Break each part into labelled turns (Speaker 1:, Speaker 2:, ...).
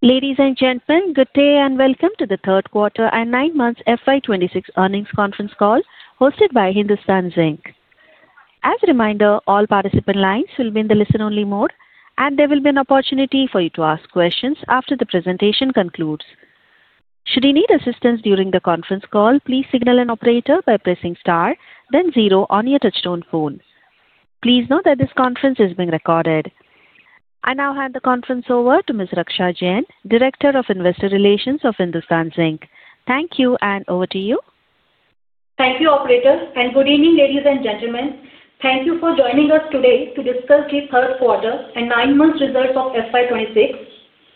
Speaker 1: Ladies and gentlemen, good day and welcome to the Third Quarter and Nine Months FY 2026 Earnings Conference Call hosted by Hindustan Zinc. As a reminder, all participant lines will be in the listen-only mode, and there will be an opportunity for you to ask questions after the presentation concludes. Should you need assistance during the conference call, please signal an operator by pressing star, then zero on your touch-tone phone. Please note that this conference is being recorded. I now hand the conference over to Ms. Raksha Jain, Director of Investor Relations of Hindustan Zinc. Thank you, and over to you.
Speaker 2: Thank you, Operator. And good evening, ladies and gentlemen. Thank you for joining us today to discuss the third quarter and nine months results of FY 2026.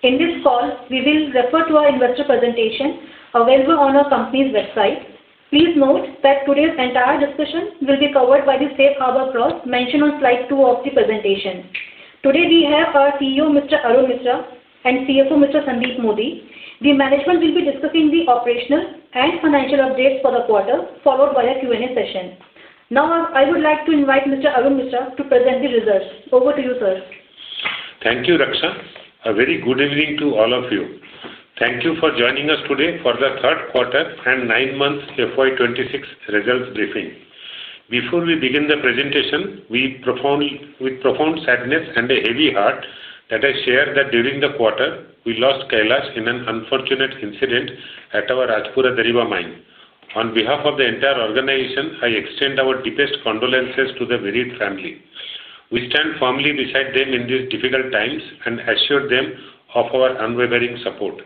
Speaker 2: In this call, we will refer to our investor presentation available on our company's website. Please note that today's entire discussion will be covered by the Safe Harbor Clause mentioned on slide 2 of the presentation. Today, we have our CEO, Mr. Arun Misra, and CFO, Mr. Sandeep Modi. The management will be discussing the operational and financial updates for the quarter, followed by a Q&A session. Now, I would like to invite Mr. Arun Misra to present the results. Over to you, sir.
Speaker 3: Thank you, Raksha. A very good evening to all of you. Thank you for joining us today for the third quarter and nine months FY 2026 results briefing. Before we begin the presentation, with profound sadness and a heavy heart, let us share that during the quarter, we lost Kailash in an unfortunate incident at our Rajpura Dariba Mine. On behalf of the entire organization, I extend our deepest condolences to the bereaved family. We stand firmly beside them in these difficult times and assure them of our unwavering support.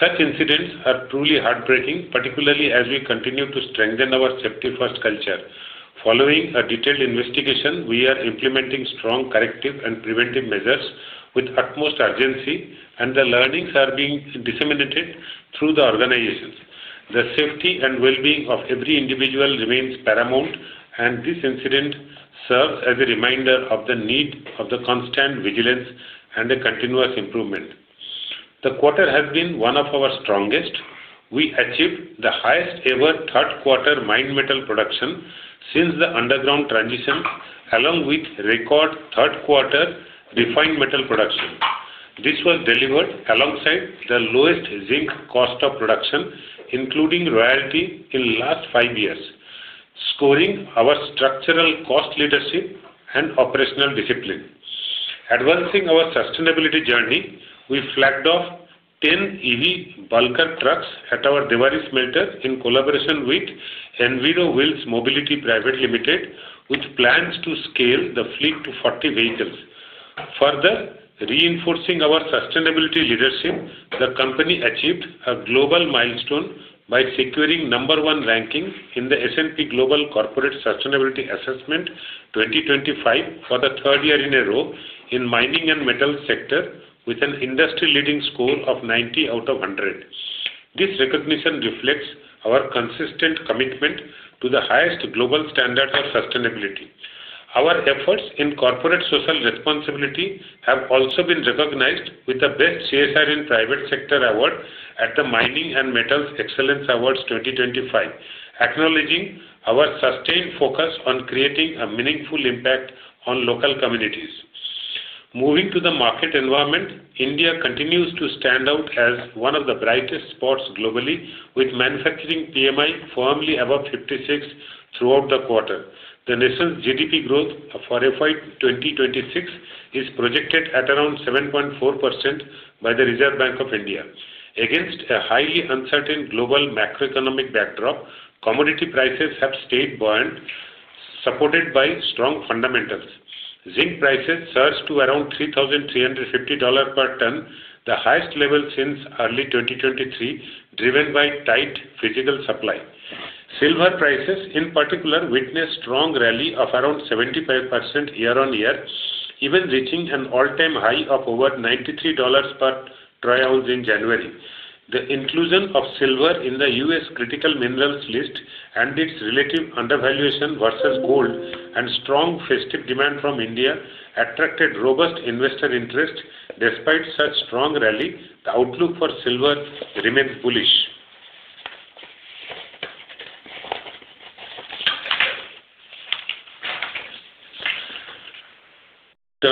Speaker 3: Such incidents are truly heartbreaking, particularly as we continue to strengthen our safety-first culture. Following a detailed investigation, we are implementing strong corrective and preventive measures with utmost urgency, and the learnings are being disseminated through the organization. The safety and well-being of every individual remains paramount, and this incident serves as a reminder of the need for constant vigilance and continuous improvement. The quarter has been one of our strongest. We achieved the highest-ever third-quarter mined metal production since the underground transition, along with record third-quarter refined metal production. This was delivered alongside the lowest zinc cost of production, including royalty in the last five years, securing our structural cost leadership and operational discipline. Advancing our sustainability journey, we flagged off 10 EV bulk trucks at our Debari Smelter in collaboration with Enviiiro Wheels Mobility Private Limited, which plans to scale the fleet to 40 vehicles. Further reinforcing our sustainability leadership, the company achieved a global milestone by securing number one ranking in the S&P Global Corporate Sustainability Assessment 2025 for the third year in a row in the mining and metal sector, with an industry-leading score of 90 out of 100. This recognition reflects our consistent commitment to the highest global standards of sustainability. Our efforts in corporate social responsibility have also been recognized with the Best CSR in Private Sector Award at the Mining and Metals Excellence Awards 2025, acknowledging our sustained focus on creating a meaningful impact on local communities. Moving to the market environment, India continues to stand out as one of the brightest spots globally, with manufacturing PMI firmly above 56 throughout the quarter. The nation's GDP growth for FY 2026 is projected at around 7.4% by the Reserve Bank of India. Against a highly uncertain global macroeconomic backdrop, commodity prices have stayed buoyant, supported by strong fundamentals. Zinc prices surged to around $3,350 per ton, the highest level since early 2023, driven by tight physical supply. Silver prices, in particular, witnessed a strong rally of around 75% year-on-year, even reaching an all-time high of over $93 per troy ounce in January. The inclusion of silver in the U.S. critical minerals list and its relative undervaluation versus gold and strong festive demand from India attracted robust investor interest. Despite such a strong rally, the outlook for silver remains bullish.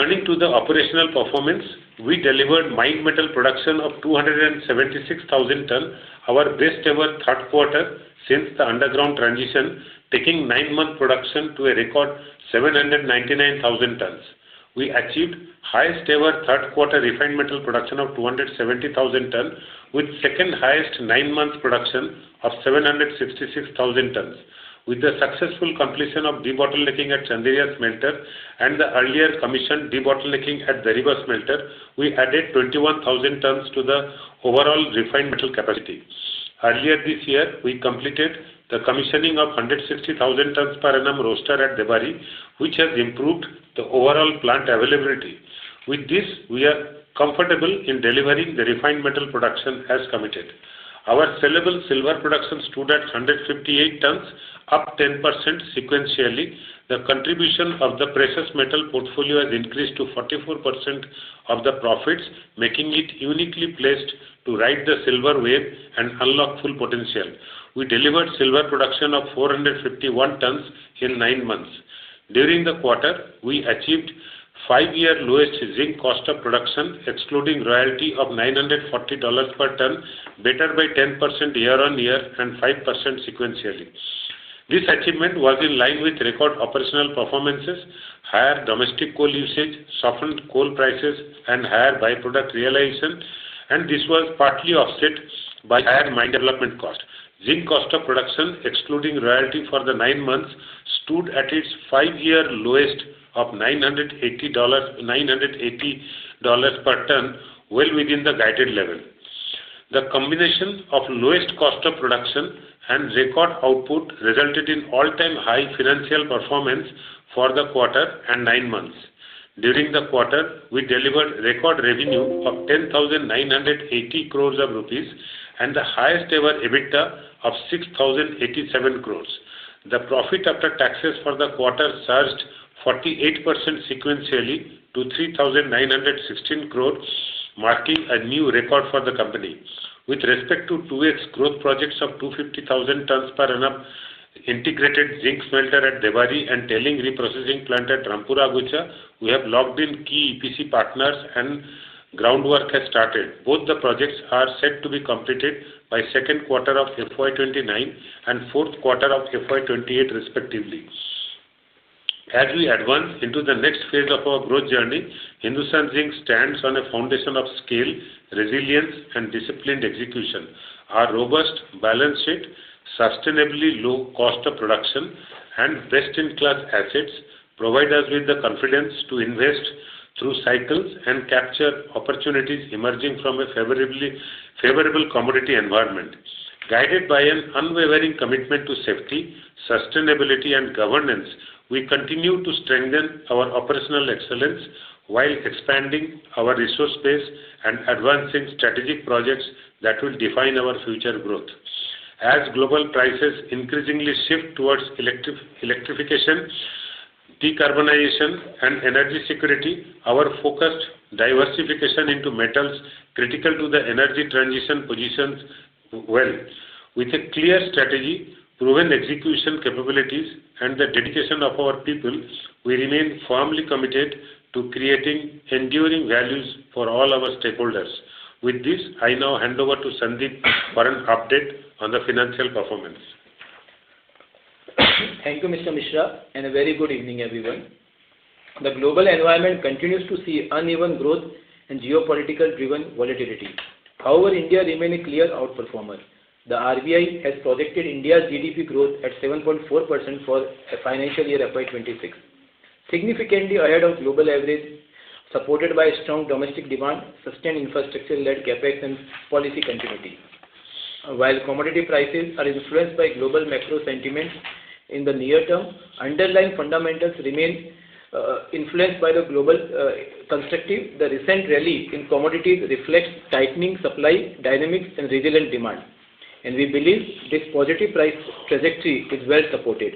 Speaker 3: Turning to the operational performance, we delivered mine metal production of 276,000 tons, our best-ever third quarter since the underground transition, taking nine-month production to a record 799,000 tons. We achieved the highest-ever third-quarter refined metal production of 270,000 tons, with the second-highest nine-month production of 766,000 tons. With the successful completion of debottlenecking at Chanderiya Smelter and the earlier commissioned debottlenecking at Dariba Smelter, we added 21,000 tons to the overall refined metal capacity. Earlier this year, we completed the commissioning of 160,000 tons per annum roaster at Debari, which has improved the overall plant availability. With this, we are comfortable in delivering the refined metal production as committed. Our sellable silver production stood at 158 tons, up 10% sequentially. The contribution of the precious metal portfolio has increased to 44% of the profits, making it uniquely placed to ride the silver wave and unlock full potential. We delivered silver production of 451 tons in nine months. During the quarter, we achieved the five-year lowest zinc cost of production, excluding royalty of $940 per ton, better by 10% year-on-year and 5% sequentially. This achievement was in line with record operational performances, higher domestic coal usage, softened coal prices, and higher byproduct realization, and this was partly offset by higher mine development cost. Zinc cost of production, excluding royalty for the nine months, stood at its five-year lowest of $980 per ton, well within the guided level. The combination of lowest cost of production and record output resulted in all-time high financial performance for the quarter and nine months. During the quarter, we delivered record revenue of 10,980 crores rupees and the highest-ever EBITDA of 6,087 crores. The profit after taxes for the quarter surged 48% sequentially to 3,916 crores, marking a new record for the company. With respect to two-year growth projects of 250,000 tons per annum, integrated zinc smelter at Debari and tailing reprocessing plant at Rampura Agucha, we have locked in key EPC partners and groundwork has started. Both the projects are set to be completed by the second quarter of FY 2029 and the fourth quarter of FY 2028, respectively. As we advance into the next phase of our growth journey, Hindustan Zinc stands on a foundation of scale, resilience, and disciplined execution. Our robust balance sheet, sustainably low cost of production, and best-in-class assets provide us with the confidence to invest through cycles and capture opportunities emerging from a favorable commodity environment. Guided by an unwavering commitment to safety, sustainability, and governance, we continue to strengthen our operational excellence while expanding our resource base and advancing strategic projects that will define our future growth. As global prices increasingly shift towards electrification, decarbonization, and energy security, our focused diversification into metals critical to the energy transition positions well. With a clear strategy, proven execution capabilities, and the dedication of our people, we remain firmly committed to creating enduring values for all our stakeholders. With this, I now hand over to Sandeep for an update on the financial performance.
Speaker 4: Thank you, Mr. Misra, and a very good evening, everyone. The global environment continues to see uneven growth and geopolitically driven volatility. However, India remains a clear outperformer. The RBI has projected India's GDP growth at 7.4% for the financial year FY 2026, significantly ahead of the global average, supported by strong domestic demand, sustained infrastructure-led CapEx, and policy continuity. While commodity prices are influenced by global macro sentiments in the near term, underlying fundamentals remain influenced by the global perspective. The recent rally in commodities reflects tightening supply dynamics and resilient demand, and we believe this positive price trajectory is well supported.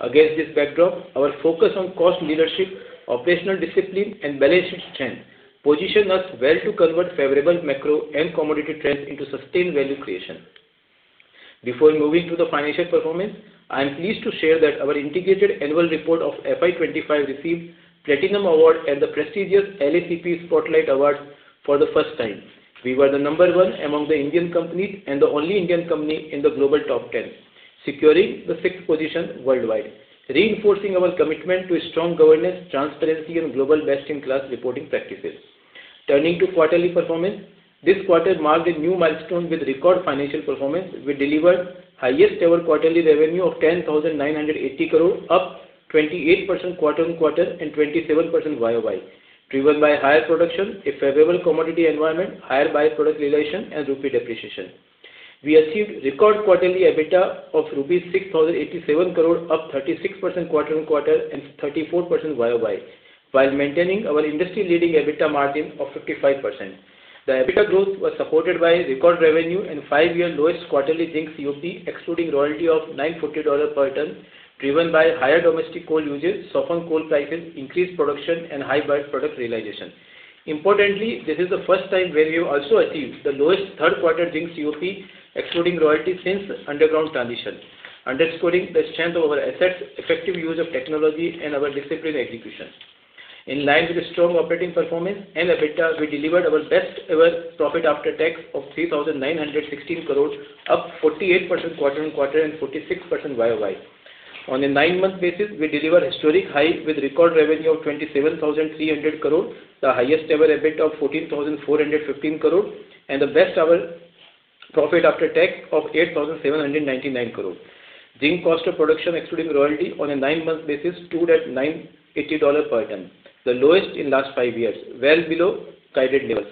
Speaker 4: Against this backdrop, our focus on cost leadership, operational discipline, and balanced strength positions us well to convert favorable macro and commodity trends into sustained value creation. Before moving to the financial performance, I am pleased to share that our integrated annual report of FY 2025 received the Platinum Award and the prestigious LACP Spotlight Awards for the first time. We were the number one among the Indian companies and the only Indian company in the global top 10, securing the sixth position worldwide, reinforcing our commitment to strong governance, transparency, and global best-in-class reporting practices. Turning to quarterly performance, this quarter marked a new milestone with record financial performance. We delivered the highest-ever quarterly revenue of INR 10,980 crores, up 28% quarter-on-quarter and 27% YoY, driven by higher production, a favorable commodity environment, higher byproduct realization, and rupee depreciation. We achieved record quarterly EBITDA of 6,087 crores rupees, up 36% quarter-on-quarter and 34% YoY, while maintaining our industry-leading EBITDA margin of 55%. The EBITDA growth was supported by record revenue and five-year lowest quarterly zinc COP, excluding royalty of $940 per ton, driven by higher domestic coal usage, softened coal prices, increased production, and high byproduct realization. Importantly, this is the first time when we have also achieved the lowest third-quarter zinc COP, excluding royalty since the underground transition, underscoring the strength of our assets, effective use of technology, and our disciplined execution. In line with strong operating performance and EBITDA, we delivered our best-ever profit after tax of 3,916 crores, up 48% quarter-on-quarter and 46% YoY. On a nine-month basis, we delivered a historic high with record revenue of 27,300 crores, the highest-ever EBITDA of 14,415 crores, and the best-ever profit after tax of 8,799 crores. Zinc cost of production, excluding royalty on a nine-month basis, stood at $980 per ton, the lowest in the last five years, well below guided levels.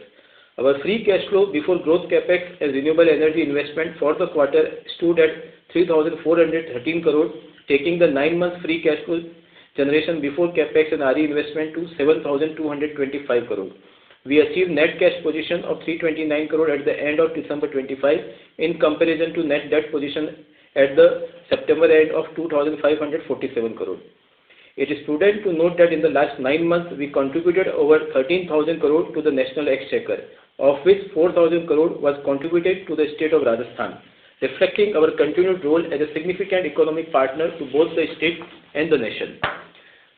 Speaker 4: Our free cash flow before growth CapEx as renewable energy investment for the quarter stood at 3,413 crores, taking the nine-month free cash flow generation before CapEx and RE investment to 7,225 crores. We achieved net cash position of 329 crores at the end of December 2025 in comparison to net debt position at the September end of 2,547 crores. It is prudent to note that in the last nine months, we contributed over 13,000 crores to the national exchequer, of which 4,000 crores were contributed to the State of Rajasthan, reflecting our continued role as a significant economic partner to both the State and the nation.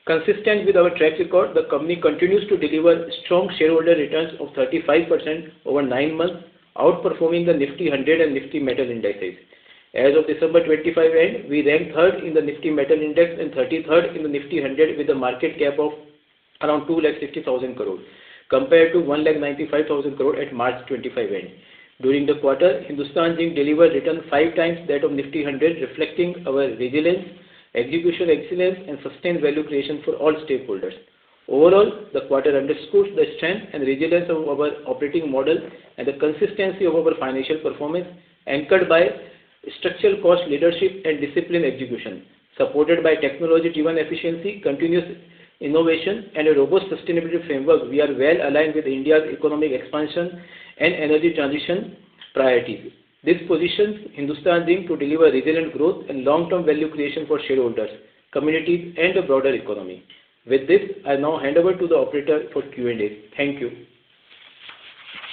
Speaker 4: Consistent with our track record, the company continues to deliver strong shareholder returns of 35% over nine months, outperforming the Nifty 100 and Nifty Metal Indexes. As of December 25 end, we ranked third in the Nifty Metal Index and 33rd in the Nifty 100, with a market cap of around 260,000 crores, compared to 195,000 crores at March 25 end. During the quarter, Hindustan Zinc delivered returns five times that of Nifty 100, reflecting our resilience, execution excellence, and sustained value creation for all stakeholders. Overall, the quarter underscores the strength and resilience of our operating model and the consistency of our financial performance, anchored by structural cost leadership and disciplined execution. Supported by technology-driven efficiency, continuous innovation, and a robust sustainability framework, we are well aligned with India's economic expansion and energy transition priorities. This positions Hindustan Zinc to deliver resilient growth and long-term value creation for shareholders, communities, and the broader economy. With this, I now hand over to the operator for Q&A. Thank you.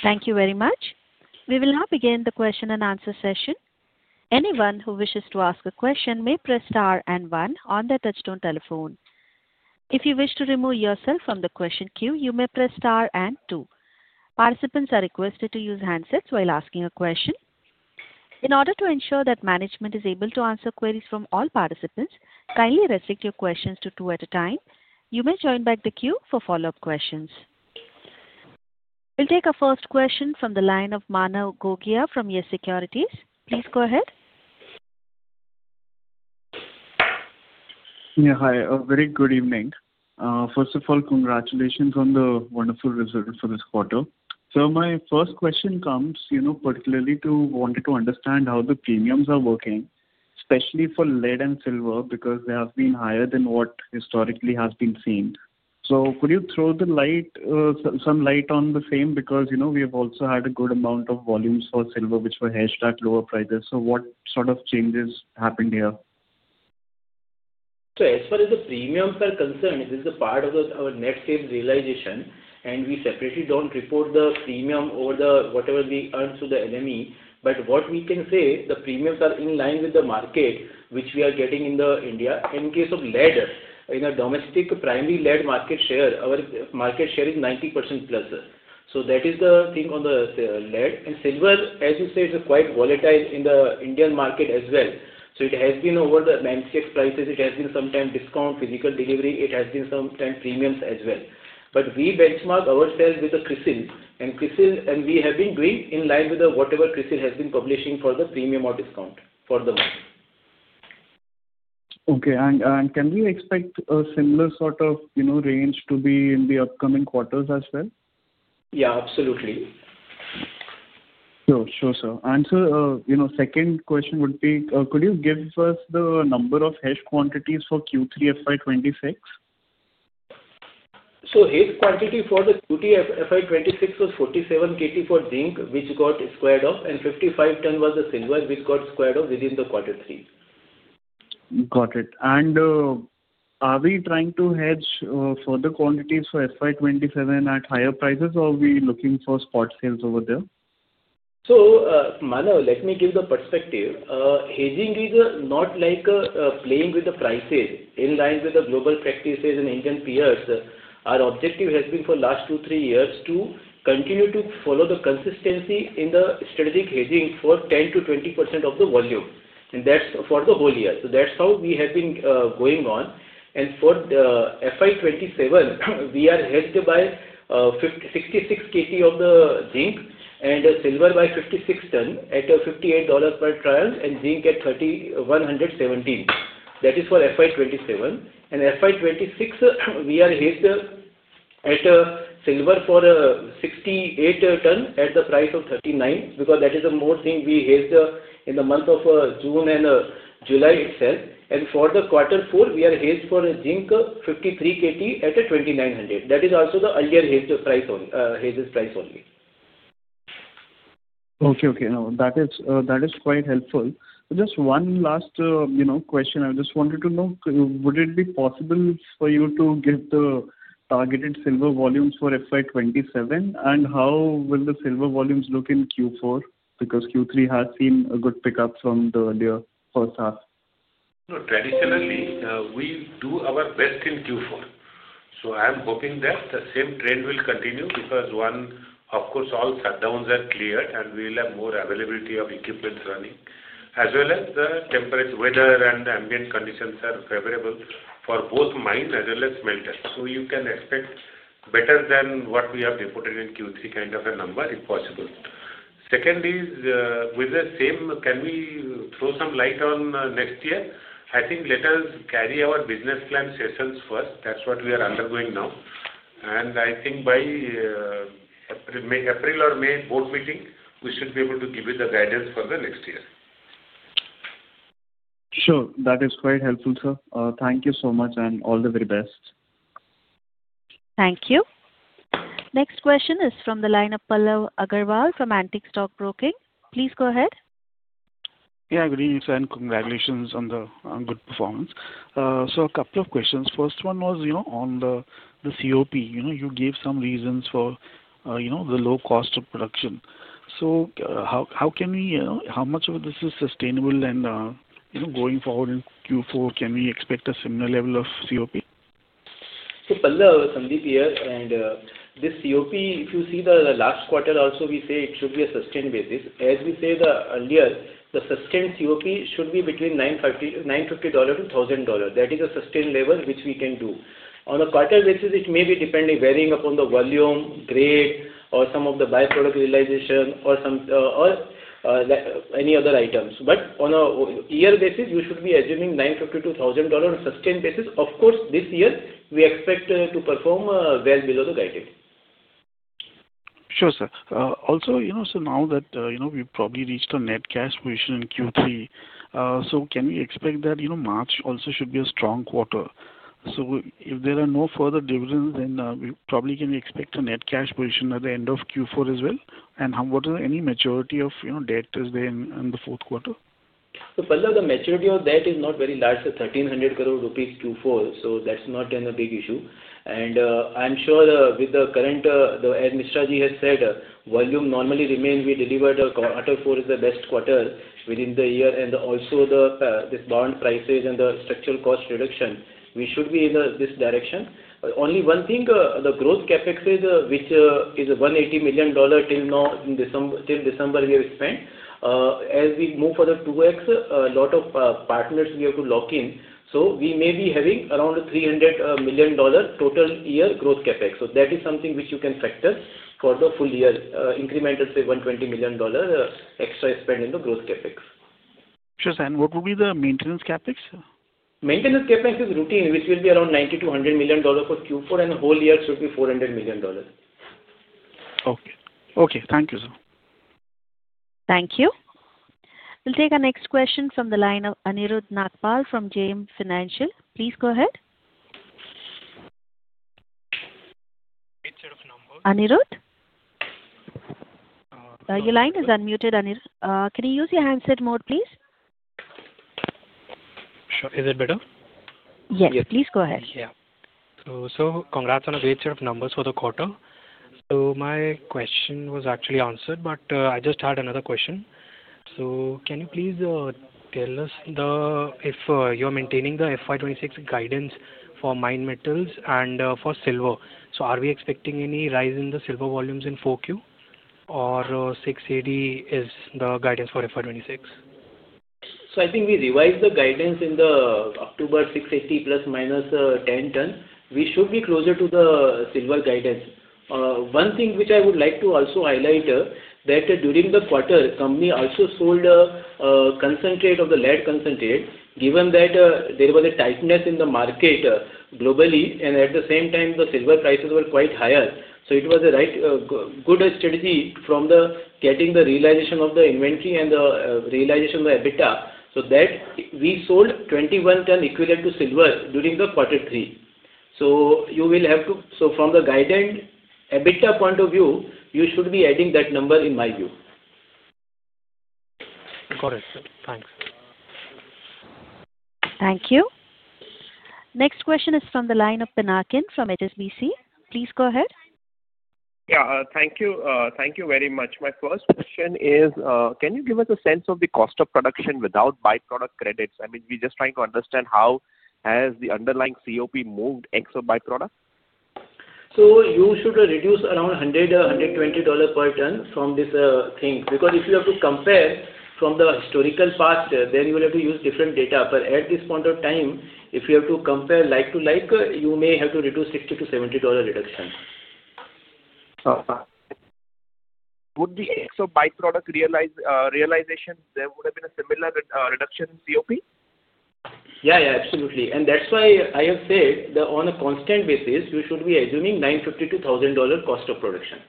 Speaker 1: Thank you very much. We will now begin the question and answer session. Anyone who wishes to ask a question may press star and one on their touch-tone telephone. If you wish to remove yourself from the question queue, you may press star and two. Participants are requested to use handsets while asking a question. In order to ensure that management is able to answer queries from all participants, kindly restrict your questions to two at a time. You may join back the queue for follow-up questions. We'll take our first question from the line of Manav Gogia from YES Securities. Please go ahead.
Speaker 5: Yeah, hi. A very good evening. First of all, congratulations on the wonderful results for this quarter. So my first question comes, you know, particularly to want to understand how the premiums are working, especially for lead and silver, because they have been higher than what historically has been seen. So could you throw some light on the same? Because, you know, we have also had a good amount of volumes for silver, which were hedged at lower prices. So what sort of changes happened here?
Speaker 4: As far as the premiums are concerned, this is a part of our net sales realization, and we separately don't report the premium or whatever we earn to the LME. But what we can say, the premiums are in line with the market which we are getting in India. In case of lead, in a domestic primary lead market share, our market share is 90% plus. That is the thing on the lead. And silver, as you said, is quite volatile in the Indian market as well. It has been over the LME prices. It has been sometimes discount, physical delivery. It has been sometimes premiums as well. But we benchmark ourselves with the CRISIL, and we have been doing in line with whatever CRISIL has been publishing for the premium or discount for the market.
Speaker 5: Okay. And can we expect a similar sort of range to be in the upcoming quarters as well?
Speaker 4: Yeah, absolutely.
Speaker 5: Sure, sure, sir. And so, you know, second question would be, could you give us the number of hedged quantities for Q3 FY 2026?
Speaker 4: So hedged quantity for the Q3 FY 2026 was 47 KT for zinc, which got squared off, and 55 tons was the silver, which got squared off within the quarter three.
Speaker 5: Got it. And are we trying to hedge further quantities for FY 2027 at higher prices, or are we looking for spot sales over there?
Speaker 4: Manu, let me give the perspective. Hedging is not like playing with the prices in line with the global practices and Indian peers. Our objective has been for the last two, three years to continue to follow the consistency in the strategic hedging for 10%-20% of the volume, and that's for the whole year. That's how we have been going on. For FY 2027, we are hedged by 66 KT of the zinc and silver by 56 tons at $58 per troy and zinc at $117. That is for FY 2027. For FY 2026, we are hedged at silver for 68 tons at the price of $39, because that is the most thing we hedged in the month of June and July itself. For the quarter four, we are hedged for zinc 53 KT at $2,900. That is also the earlier hedged price only.
Speaker 5: Okay, okay. No, that is quite helpful. Just one last question. I just wanted to know, would it be possible for you to give the targeted silver volumes for FY 2027, and how will the silver volumes look in Q4? Because Q3 has seen a good pickup from the earlier first half.
Speaker 3: Traditionally, we do our best in Q4. So I'm hoping that the same trend will continue, because, one, of course, all shutdowns are cleared, and we'll have more availability of equipment running, as well as the temperature, weather, and ambient conditions are favorable for both mine as well as smelter. So you can expect better than what we have reported in Q3 kind of a number if possible. Second is, with the same, can we throw some light on next year? I think let us carry our business plan sessions first. That's what we are undergoing now. And I think by April or May board meeting, we should be able to give you the guidance for the next year.
Speaker 5: Sure. That is quite helpful, sir. Thank you so much, and all the very best.
Speaker 1: Thank you. Next question is from the line of Pallav Agarwal from Antique Stock Broking. Please go ahead.
Speaker 6: Yeah, good evening, sir, and congratulations on the good performance. So a couple of questions. First one was on the COP. You gave some reasons for the low cost of production. So how can we, how much of this is sustainable, and going forward in Q4, can we expect a similar level of COP?
Speaker 4: So, Pallav, Sandeep here. And this COP, if you see the last quarter also, we say it should be a sustained basis. As we said earlier, the sustained COP should be between $950-$1,000. That is a sustained level which we can do. On a quarter basis, it may be depending varying upon the volume, grade, or some of the byproduct realization, or any other items. But on a year basis, you should be assuming $950-$1,000 on a sustained basis. Of course, this year, we expect to perform well below the guided.
Speaker 6: Sure, sir. Also, you know, so now that we probably reached our net cash position in Q3, so can we expect that March also should be a strong quarter? So if there are no further dividends, then we probably can expect a net cash position at the end of Q4 as well. And what is the maturity of debt is there in the fourth quarter?
Speaker 4: So, Pallav, the maturity of debt is not very large, so 1,300 crore rupees Q4. So that's not a big issue. And I'm sure with the current, the Misraji has said volume normally remains. We delivered quarter four is the best quarter within the year. And also this bond prices and the structural cost reduction, we should be in this direction. Only one thing, the growth CapEx is, which is $180 million till now, till December we have spent. As we move for the 2X, a lot of partners we have to lock in. So we may be having around $300 million total year growth CapEx. So that is something which you can factor for the full year, incremental say $120 million extra spend in the growth CapEx.
Speaker 6: Sure, sir. What will be the maintenance CapEx?
Speaker 4: Maintenance CapEx is routine, which will be around $90 million-$100 million for Q4, and the whole year should be $400 million.
Speaker 6: Okay. Okay. Thank you, sir.
Speaker 1: Thank you. We'll take our next question from the line of Anirudh Nagpal from JM Financial. Please go ahead. Anirudh? Your line is unmuted, Anirudh. Can you use your handset mode, please?
Speaker 7: Sure. Is it better?
Speaker 1: Yes. Please go ahead.
Speaker 7: Yeah. So, so congrats on a great set of numbers for the quarter. So my question was actually answered, but I just had another question. So can you please tell us if you're maintaining the FY 2026 guidance for mine metals and for silver? So are we expecting any rise in the silver volumes in 4Q, or 680 is the guidance for FY 2026?
Speaker 4: So, I think we revised the guidance in October to 680 plus minus 10 tons. We should be closer to the silver guidance. One thing which I would like to also highlight is that during the quarter, the company also sold a concentrate, the lead concentrate, given that there was a tightness in the market globally, and at the same time, the silver prices were quite higher. So it was a right good strategy from getting the realization of the inventory and the realization of the EBITDA. So that we sold 21 tons equivalent to silver during the quarter three. So you will have to, so from the guidance EBITDA point of view, you should be adding that number in my view.
Speaker 7: Got it, sir. Thanks.
Speaker 1: Thank you. Next question is from the line of Pinakin from HSBC. Please go ahead.
Speaker 8: Yeah, thank you. Thank you very much. My first question is, can you give us a sense of the cost of production without byproduct credits? I mean, we're just trying to understand how has the underlying COP moved ex of byproduct?
Speaker 4: You should reduce around $100-$120 per ton from this thing. Because if you have to compare from the historical past, then you will have to use different data. But at this point of time, if you have to compare like to like, you may have to reduce $60-$70 reduction.
Speaker 8: Okay. Would the impact of byproduct realization, there would have been a similar reduction in COP?
Speaker 4: Yeah, yeah, absolutely. And that's why I have said that on a constant basis, you should be assuming $950-$1,000 cost of production.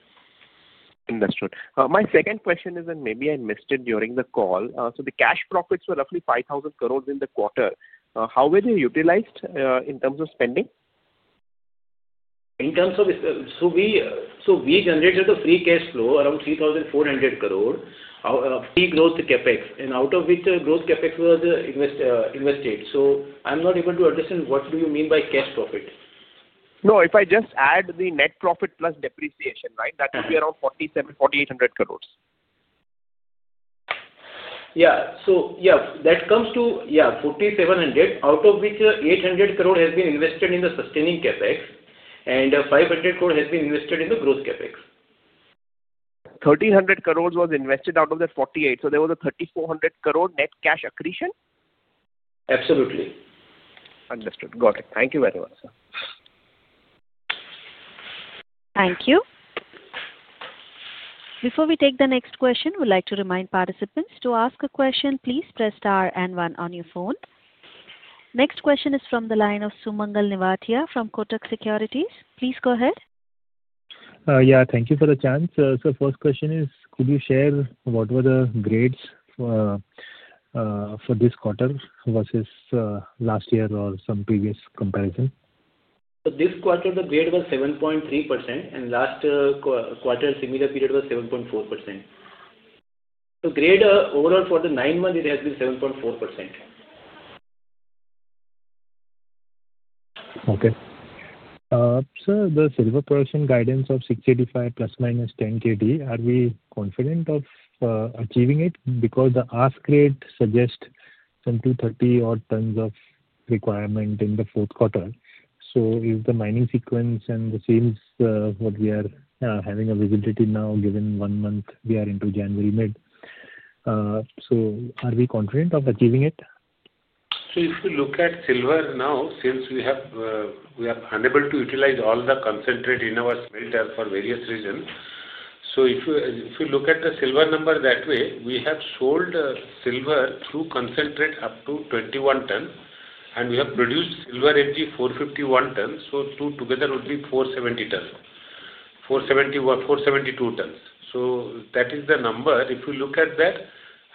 Speaker 8: Understood. My second question is, and maybe I missed it during the call, so the cash profits were roughly 5,000 crore in the quarter. How were they utilized in terms of spending?
Speaker 4: In terms of, so we generated a free cash flow around $3,400 crore, free growth CapEx, and out of which the growth CapEx was invested. So I'm not able to understand what do you mean by cash profit.
Speaker 8: No, if I just add the net profit plus depreciation, right, that would be around 4,700-4,800 crores.
Speaker 4: That comes to 4,700, out of which 800 crore has been invested in the sustaining CapEx, and 500 crore has been invested in the growth CapEx.
Speaker 8: 1,300 crores was invested out of the 48. So there was a 3,400 crore net cash accretion?
Speaker 4: Absolutely.
Speaker 8: Understood. Got it. Thank you very much, sir.
Speaker 1: Thank you. Before we take the next question, we'd like to remind participants to ask a question. Please press star and one on your phone. Next question is from the line of Sumangal Nevatia from Kotak Securities. Please go ahead.
Speaker 9: Yeah, thank you for the chance. So first question is, could you share what were the grades for this quarter versus last year or some previous comparison?
Speaker 4: So this quarter, the grade was 7.3%, and last quarter, similar period was 7.4%. So grade overall for the nine months, it has been 7.4%.
Speaker 9: Okay. So the silver production guidance of 685 ±10 KT, are we confident of achieving it? Because the ask rate suggests some 230 odd tons of requirement in the fourth quarter. So is the mining sequence and the seams what we are having a visibility now, given one month we are into January mid? So are we confident of achieving it?
Speaker 3: So if you look at silver now, since we were unable to utilize all the concentrate in our smelter for various reasons, so if you look at the silver number that way, we have sold silver in concentrate up to 21 tons, and we have produced refined silver 451 tons. So two together would be 470 tons, 472 tons. So that is the number. If you look at that,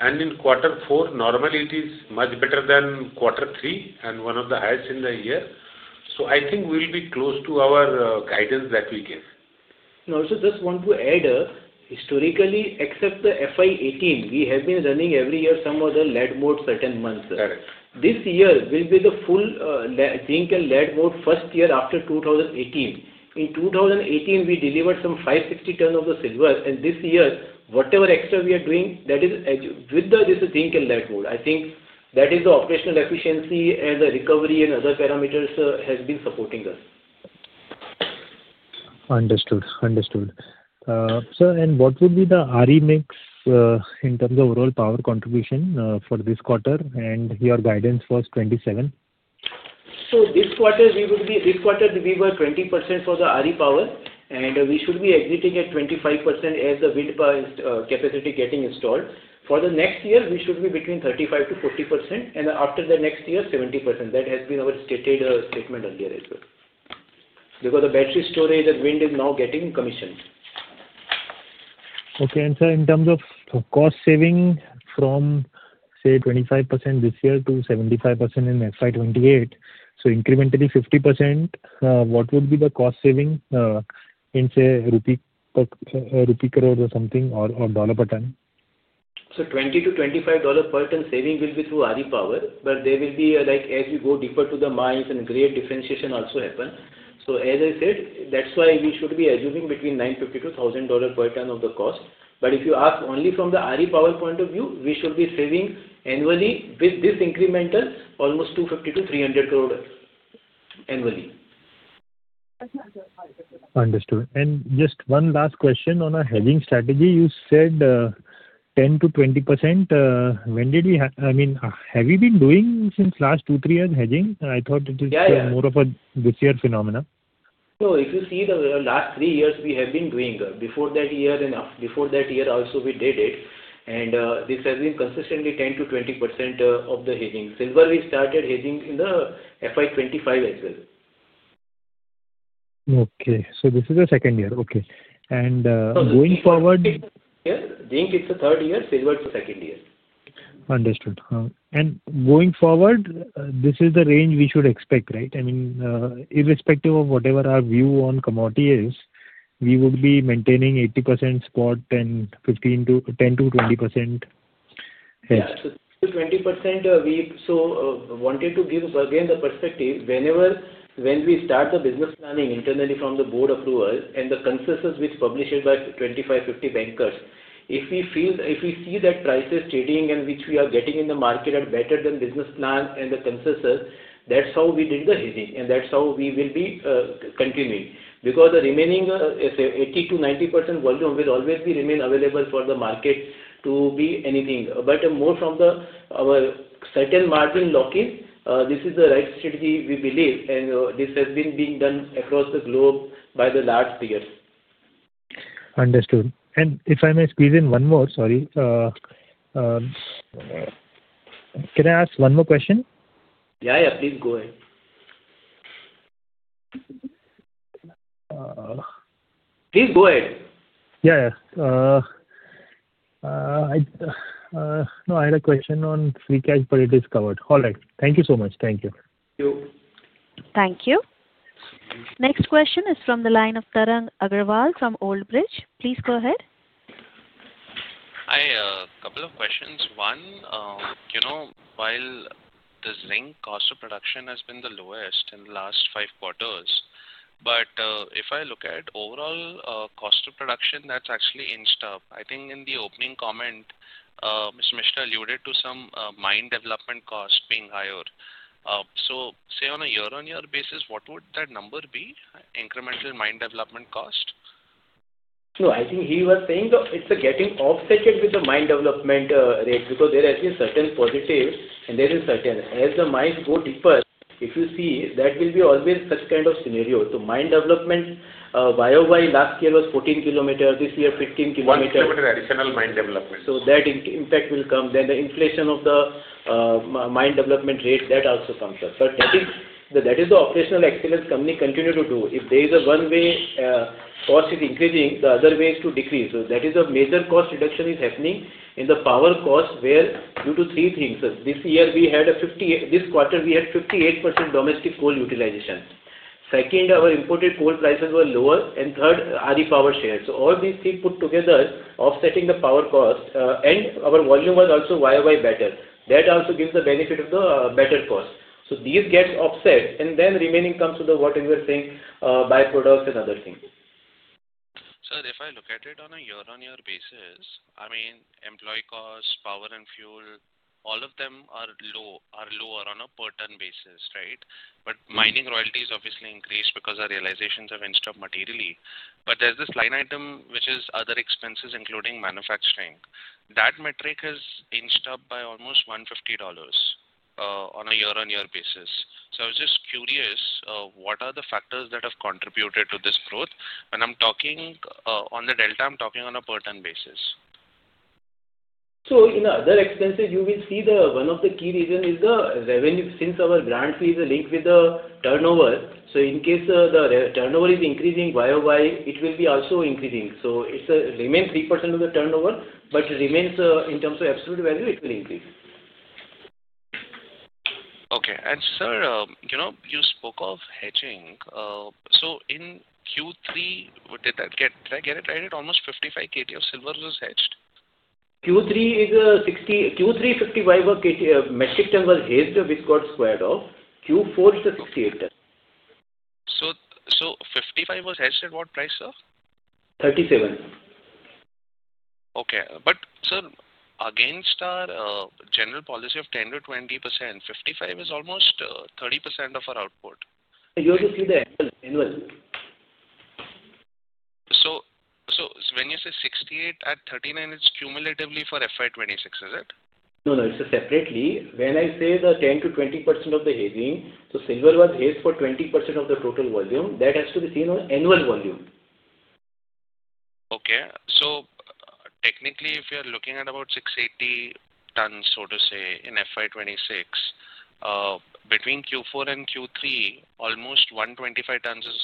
Speaker 3: and in quarter four, normally it is much better than quarter three, and one of the highest in the year. So I think we'll be close to our guidance that we gave.
Speaker 4: No, I just want to add, historically, except the FY 2018, we have been running every year some of the lead mode certain months.
Speaker 3: Correct.
Speaker 4: This year will be the full zinc and lead mode first year after 2018. In 2018, we delivered some 560 tons of the silver, and this year, whatever extra we are doing, that is with the zinc and lead mode. I think that is the operational efficiency and the recovery and other parameters has been supporting us.
Speaker 9: Understood. Understood. Sir, and what would be the RE mix in terms of overall power contribution for this quarter and your guidance for 2027?
Speaker 4: This quarter, we were 20% for the RE power, and we should be exiting at 25% as the wind capacity getting installed. For the next year, we should be between 35%-40%, and after the next year, 70%. That has been our stated statement earlier as well. Because the battery storage and wind is now getting commissioned.
Speaker 9: Okay. And sir, in terms of cost saving from, say, 25% this year to 75% in FY 2028, so incrementally 50%, what would be the cost saving in, say, rupee crores or something or dollar per ton?
Speaker 4: So $20-$25 per ton saving will be through RE power, but there will be like as we go deeper to the mines and greater differentiation also happen. So as I said, that's why we should be assuming between $950-$1,000 per ton of the cost. But if you ask only from the RE power point of view, we should be saving annually with this incremental almost 250-300 crore annually.
Speaker 9: Understood. And just one last question on our hedging strategy. You said 10%-20%. When did we, I mean, have we been doing since last two, three years hedging? I thought it is more of a this year phenomenon.
Speaker 4: No, if you see the last three years, we have been doing before that year and before that year also we did it, and this has been consistently 10%-20% of the hedging. Silver, we started hedging in the FY 2025 as well.
Speaker 9: Okay, so this is the second year. Okay, and going forward.
Speaker 4: Yeah, zinc, it's the third year. Silver, it's the second year.
Speaker 9: Understood. And going forward, this is the range we should expect, right? I mean, irrespective of whatever our view on commodity is, we would be maintaining 80% spot and 10%-20% hedge.
Speaker 4: Yeah. So 20%, we so wanted to give again the perspective. Whenever we start the business planning internally from the board of directors and the consensus which is published by 25-50 bankers, if we see that prices trading and which we are getting in the market are better than business plan and the consensus, that's how we did the hedging. And that's how we will be continuing. Because the remaining 80%-90% volume will always remain available for the market to be anything. But more from our certain margin lock-in, this is the right strategy we believe. And this has been being done across the globe for the last years.
Speaker 9: Understood, and if I may squeeze in one more, sorry. Can I ask one more question?
Speaker 4: Yeah, yeah, please go ahead. Please go ahead.
Speaker 9: Yeah, yeah. No, I had a question on free cash, but it is covered. All right. Thank you so much. Thank you.
Speaker 1: Thank you. Next question is from the line of Tarang Agrawal from Old Bridge. Please go ahead.
Speaker 10: I have a couple of questions. One, while the zinc cost of production has been the lowest in the last five quarters, but if I look at overall cost of production, that's actually in step. I think in the opening comment, Misra alluded to some mine development cost being higher. So say on a year-on-year basis, what would that number be, incremental mine development cost?
Speaker 4: No, I think he was saying it's getting offset with the mine development rate because there has been certain positive and there is certain. As the mines go deeper, if you see, that will be always such kind of scenario. So mine development, YoY last year was 14km, this year 15km.
Speaker 10: 15 km additional mine development.
Speaker 4: So that impact will come. Then the inflation of the mine development rate, that also comes up. But that is the operational excellence company continues to do. If there is a one way cost is increasing, the other way is to decrease. So that is a major cost reduction is happening in the power cost where due to three things. This year we had 50% this quarter we had 58% domestic coal utilization. Second, our imported coal prices were lower, and third, RE power shares. So all these things put together offsetting the power cost, and our volume was also YoY better. That also gives the benefit of the better cost. So these gets offset, and then remaining comes to the what you were saying, byproducts and other things.
Speaker 10: Sir, if I look at it on a year-on-year basis, I mean, employee cost, power and fuel, all of them are lower on a per ton basis, right? But mining royalties obviously increased because our realizations have stepped up materially. But there's this line item which is other expenses including manufacturing. That metric has stepped up by almost $150 on a year-on-year basis. So I was just curious what are the factors that have contributed to this growth? When I'm talking on the delta, I'm talking on a per ton basis.
Speaker 4: So in other expenses, you will see one of the key reasons is the revenue since our royalty is linked with the turnover. So in case the turnover is increasing YoY, it will be also increasing. So it remains 3% of the turnover, but it remains in terms of absolute value, it will increase.
Speaker 10: Okay. And sir, you spoke of hedging. So in Q3, did I get it right? Almost 55 KT of silver was hedged?
Speaker 4: Q3 is 60. Q3, 55 metric ton was hedged with 5 squared off. Q4 is 68 ton.
Speaker 10: 55 was hedged at what price, sir?
Speaker 4: 37.
Speaker 10: Okay. But, sir, against our general policy of 10%-20%, 55 is almost 30% of our output.
Speaker 4: You have to see the annual.
Speaker 10: So when you say 68 at 39, it's cumulatively for FY 2026, is it?
Speaker 4: No, no. It's separately. When I say the 10%-20% of the hedging, so silver was hedged for 20% of the total volume, that has to be seen on annual volume.
Speaker 10: Okay. So technically, if you're looking at about 680 tons, so to say, in FY 2026, between Q4 and Q3, almost 125 tons is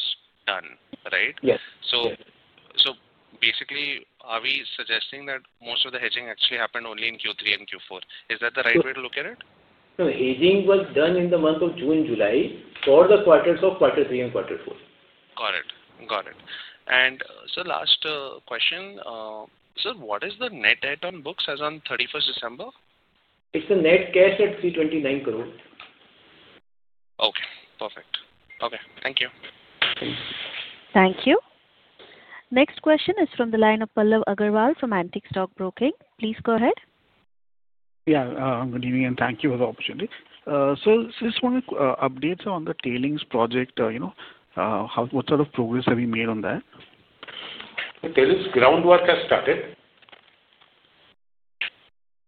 Speaker 10: done, right?
Speaker 4: Yes.
Speaker 10: So basically, are we suggesting that most of the hedging actually happened only in Q3 and Q4? Is that the right way to look at it?
Speaker 4: Hedging was done in the month of June and July for the quarters of quarter three and quarter four.
Speaker 10: Got it. Got it. And sir, last question. Sir, what is the net debt on books as on 31st December?
Speaker 4: It's a net cash at 329 crore.
Speaker 10: Okay. Perfect. Okay. Thank you.
Speaker 1: Thank you. Next question is from the line of Pallav Agarwal from Antique Stock Broking. Please go ahead.
Speaker 6: Yeah. Good evening and thank you for the opportunity. So just want to update on the tailings project. What sort of progress have you made on that?
Speaker 3: The tailings groundwork has started,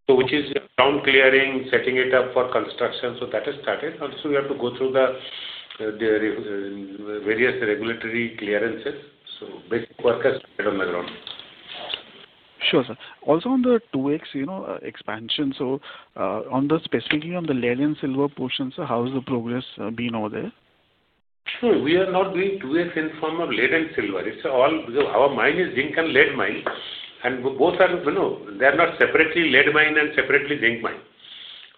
Speaker 3: which is ground clearing, setting it up for construction. So that has started. Also, we have to go through the various regulatory clearances. So basic work has started on the ground.
Speaker 6: Sure, sir. Also on the 2X expansion, so specifically on the lead and silver portion, sir, how has the progress been over there?
Speaker 3: Sure. We are not doing 2X in form of lead and silver. It's all because our mine is zinc and lead mine. And both are separately lead mine and separately zinc mine.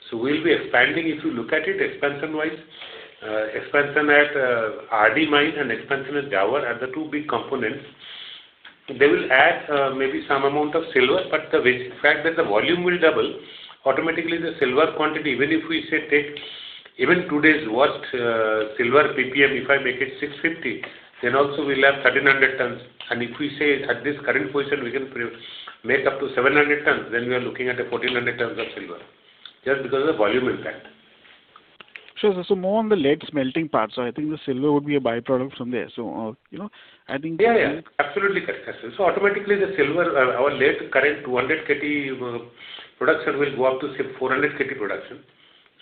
Speaker 3: So we'll be expanding, if you look at it, expansion-wise. Expansion at RD Mine and expansion at Zawar, are the two big components. They will add maybe some amount of silver, but the fact that the volume will double, automatically the silver quantity, even if we say take even today's worst silver PPM, if I make it 650, then also we'll have 1300 tons. And if we say at this current position, we can make up to 700 tons, then we are looking at a 1400 tons of silver. Just because of the volume impact.
Speaker 6: Sure, sir. So more on the lead smelting part, sir, I think the silver would be a byproduct from there. So I think.
Speaker 3: Yeah, yeah. Absolutely correct, sir. So automatically, the silver, our lead current 200 KT production will go up to 400 KT production.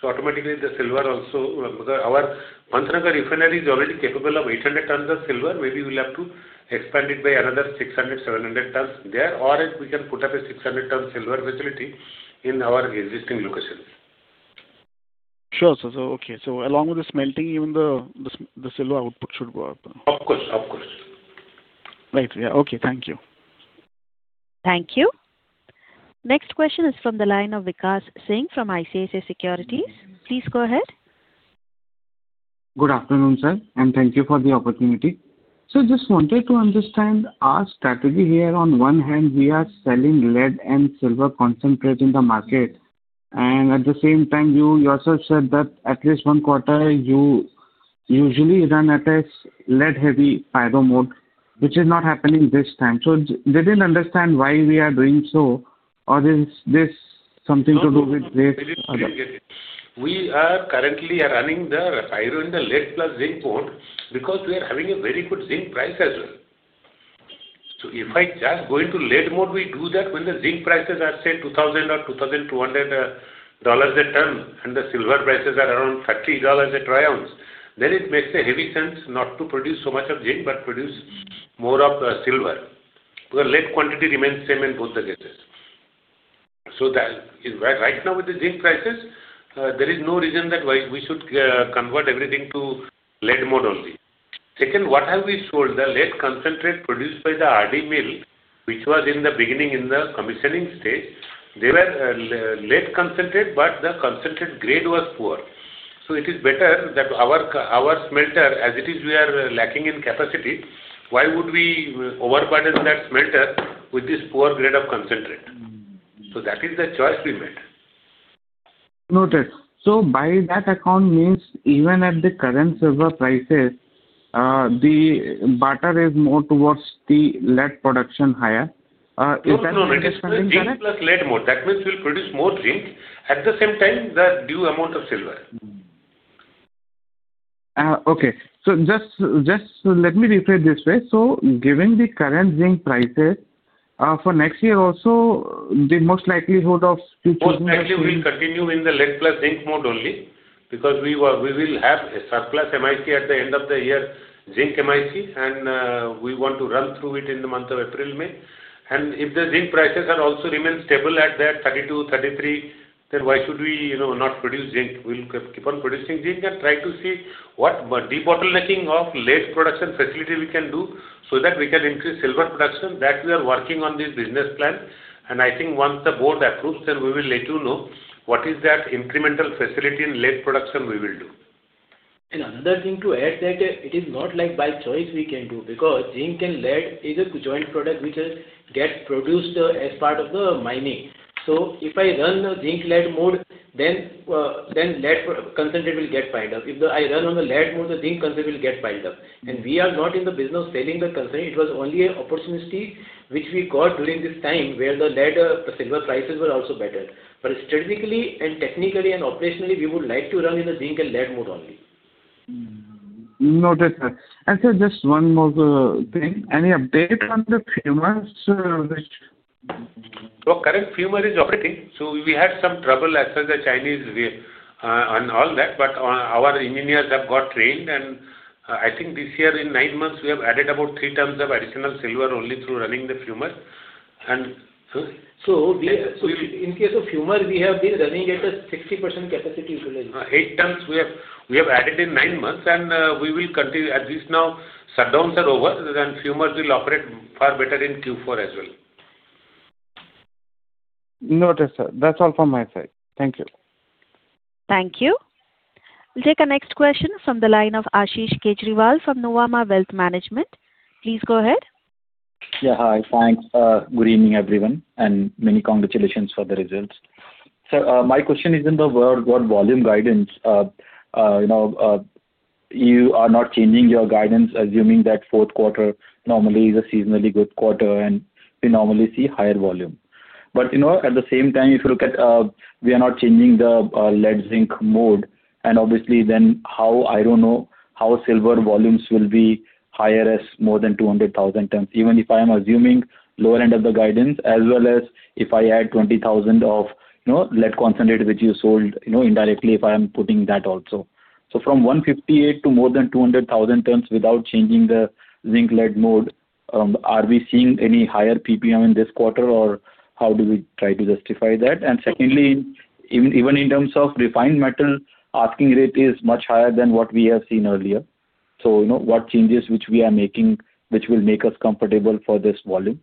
Speaker 3: So automatically, the silver also because our Pantnagar Refinery is already capable of 800 tons of silver, maybe we'll have to expand it by another 600, 700 tons there, or we can put up a 600-ton silver facility in our existing locations.
Speaker 6: Sure, sir. So okay. So along with the smelting, even the silver output should go up.
Speaker 3: Of course. Of course.
Speaker 6: Right. Yeah. Okay. Thank you.
Speaker 1: Thank you. Next question is from the line of Vikas Singh from ICICI Securities. Please go ahead.
Speaker 11: Good afternoon, sir, and thank you for the opportunity. Sir, just wanted to understand our strategy here. On one hand, we are selling lead and silver concentrate in the market, and at the same time, you yourself said that at least one quarter, you usually run at a lead-heavy pyro mode, which is not happening this time, so they didn't understand why we are doing so, or is this something to do with this other?
Speaker 3: We are currently running the pyro in the lead plus zinc mode because we are having a very good zinc price as well. So if I just go into lead mode, we do that when the zinc prices are say $2,000 or $2,200 a ton, and the silver prices are around $30 a troy ounce, then it makes economic sense not to produce so much of zinc, but produce more of silver. The lead quantity remains same in both the cases. So right now, with the zinc prices, there is no reason that we should convert everything to lead mode only. Second, what have we sold? The lead concentrate produced by the RD Mill, which was in the beginning in the commissioning stage, they were lead concentrate, but the concentrate grade was poor. So it is better that our smelter, as it is, we are lacking in capacity. Why would we overburden that smelter with this poor grade of concentrate? So that is the choice we made.
Speaker 11: Noted. So by that account, means even at the current silver prices, the barter is more towards the lead production higher. Is that understanding correct?
Speaker 3: No, no. Zinc plus lead mode. That means we'll produce more zinc at the same time, the due amount of silver.
Speaker 11: Okay. So just let me rephrase this way. So given the current zinc prices, for next year also, the most likelihood of future.
Speaker 3: Most likely we'll continue in the lead plus zinc mode only because we will have a surplus MIC at the end of the year, zinc MIC, and we want to run through it in the month of April, May, and if the zinc prices also remain stable at that 32, 33, then why should we not produce zinc? We'll keep on producing zinc and try to see what debottlenecking of lead production facility we can do so that we can increase silver production. That we are working on this business plan, and I think once the board approves, then we will let you know what is that incremental facility in lead production we will do.
Speaker 4: Another thing to add is that it is not like by choice we can do because zinc and lead is a joint product which gets produced as part of the mining. So if I run zinc lead mode, then lead concentrate will get piled up. If I run on the lead mode, the zinc concentrate will get piled up. And we are not in the business of selling the concentrate. It was only an opportunity which we got during this time where the lead silver prices were also better. But strategically and technically and operationally, we would like to run in the zinc and lead mode only.
Speaker 11: Noted, sir, and sir, just one more thing. Any update on the fumer, sir, which?
Speaker 3: Current fumer is operating. We had some trouble as far as the Chinese and all that, but our engineers have got trained. I think this year, in nine months, we have added about three tons of additional silver only through running the fumer. And so.
Speaker 4: So in case of fumer, we have been running at a 60% capacity utilization.
Speaker 3: Eight tons we have added in nine months, and we will continue. At least now, shutdowns are over, then fumers will operate far better in Q4 as well.
Speaker 11: Noted, sir. That's all from my side. Thank you.
Speaker 1: Thank you. We'll take a next question from the line of Ashish Kejriwal from Nuvama Wealth Management. Please go ahead.
Speaker 12: Yeah. Hi. Thanks. Good evening, everyone. And many congratulations for the results. Sir, my question is regarding the FY volume guidance. You are not changing your guidance, assuming that fourth quarter normally is a seasonally good quarter, and we normally see higher volume. But at the same time, if you look at we are not changing the pyro mode, and obviously then how I don't know how silver volumes will be higher as more than 200,000 tons, even if I am assuming lower end of the guidance, as well as if I add 20,000 of lead concentrate which you sold in the quarter if I am putting that also. So from 158 to more than 200,000 tons without changing the pyro mode, are we seeing any higher PPM in this quarter, or how do we try to justify that? And secondly, even in terms of refined metal, asking rate is much higher than what we have seen earlier. So what changes which we are making which will make us comfortable for this volume?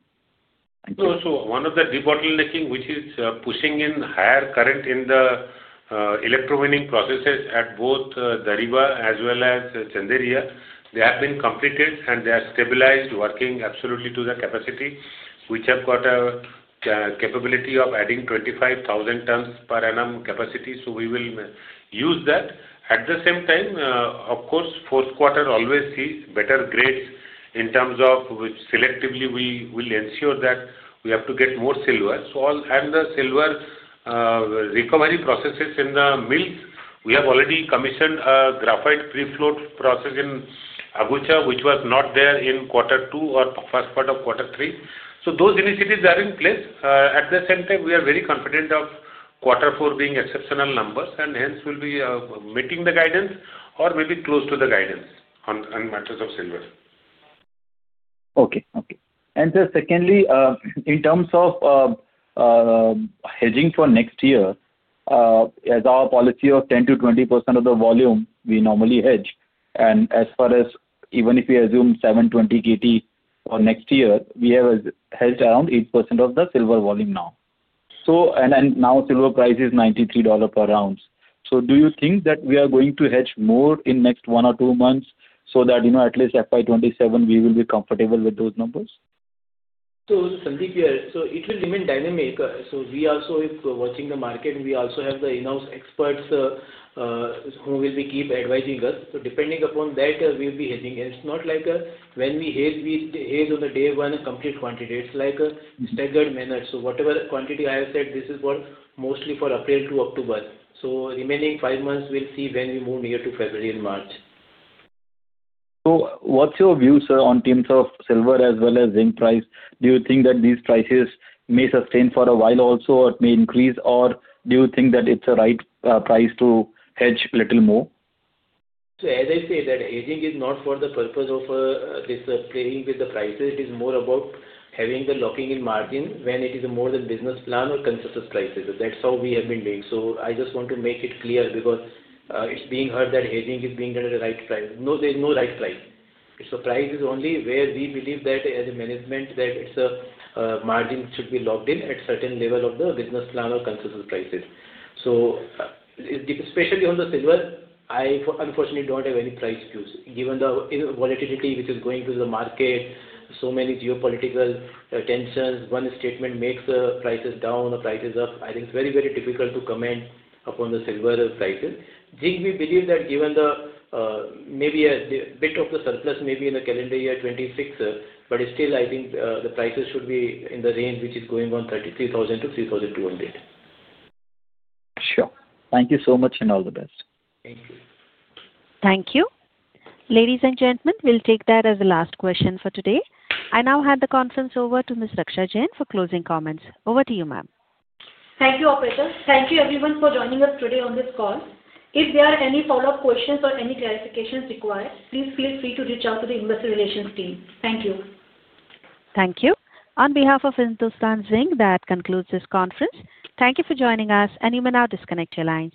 Speaker 3: No, sir. One of the debottlenecking which is pushing in higher current in the electrowinning processes at both Debari as well as Chanderiya, they have been completed, and they are stabilized, working absolutely to the capacity. We have got a capability of adding 25,000 tons per annum capacity, so we will use that. At the same time, of course, fourth quarter always sees better grades in terms of selectively we will ensure that we have to get more silver. So all the silver recovery processes in the mills, we have already commissioned a graphite prefloat process in Agucha, which was not there in quarter two or first part of quarter three. So those initiatives are in place. At the same time, we are very confident of quarter four being exceptional numbers, and hence we'll be meeting the guidance or maybe close to the guidance on matters of silver.
Speaker 12: Okay. And sir, secondly, in terms of hedging for next year, as our policy of 10%-20% of the volume we normally hedge, and as far as even if we assume 720 KT for next year, we have hedged around 8% of the silver volume now. And now silver price is $93 per ounce. So do you think that we are going to hedge more in next one or two months so that at least FY 2027 we will be comfortable with those numbers?
Speaker 4: So, Sandeep here, so it will remain dynamic. So we also watching the market. We also have the in-house experts who will keep advising us. So depending upon that, we'll be hedging. And it's not like when we hedge, we hedge on the day one a complete quantity. It's like a staggered manner. So whatever quantity I have said, this is for mostly for April to October. So remaining five months, we'll see when we move near to February and March.
Speaker 12: So what's your view, sir, in terms of silver as well as zinc price? Do you think that these prices may sustain for a while also or may increase, or do you think that it's a right price to hedge a little more?
Speaker 4: So, as I say, that hedging is not for the purpose of this playing with the prices. It is more about having the locking in margin when it is more than business plan or consensus prices. That's how we have been doing. So, I just want to make it clear because it's being heard that hedging is being done at a right price. No, there is no right price. So, price is only where we believe that as a management that its margin should be locked in at certain level of the business plan or consensus prices. So, especially on the silver, I unfortunately don't have any price views. Given the volatility which is going through the market, so many geopolitical tensions, one statement makes the prices down or prices up. I think it's very, very difficult to comment upon the silver prices. Zinc, we believe that given the maybe a bit of the surplus maybe in the calendar year 2026, but still I think the prices should be in the range which is going on $3,300-$3,200.
Speaker 12: Sure. Thank you so much and all the best.
Speaker 4: Thank you.
Speaker 1: Thank you. Ladies and gentlemen, we'll take that as the last question for today. I now hand the conference over to Ms. Raksha Jain for closing comments. Over to you, ma'am.
Speaker 2: Thank you, operator. Thank you, everyone, for joining us today on this call. If there are any follow-up questions or any clarifications required, please feel free to reach out to the investor relations team. Thank you.
Speaker 1: Thank you. On behalf of Hindustan Zinc, that concludes this conference. Thank you for joining us, and you may now disconnect your lines.